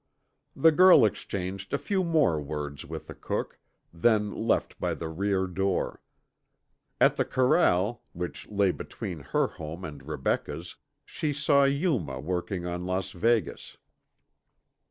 The girl exchanged a few more words with the cook, then left by the rear door. At the corral, which lay between her home and Rebecca's, she saw Yuma working on Las Vegas.